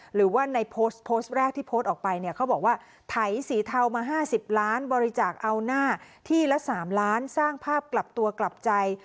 หรือว่าในโพสต์โพสต์แรกที่โพสต์ออกไปเนี่ยเขาบอกว่าไถสีเทามา๕๐ล้านบริจาคเอาหน้าที่ละ๓ล้านสร้างภาพกลับตัวกลับใจ